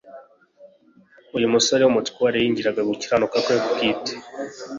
Uyu musore w'umutware yiringiraga gukiranuka kwe bwite.